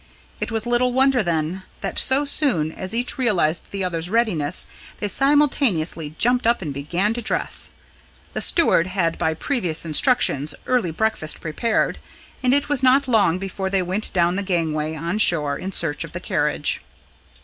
It was little wonder, then, that, so soon as each realised the other's readiness, they simultaneously jumped up and began to dress. The steward had by previous instructions early breakfast prepared, and it was not long before they went down the gangway on shore in search of the carriage.